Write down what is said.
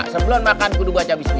sebelum makan kudu buah cabai sendiri